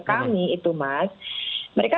kami itu mas mereka